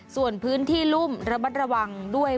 ส่วนพื้นที่รุ่มระมัดระวังด้วย